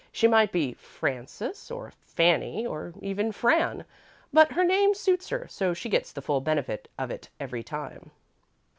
She might be 'Frances' or 'Fanny' or even 'Fran,' but her name suits her, so she gets the full benefit of it, every time."